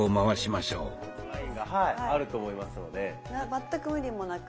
全く無理もなく。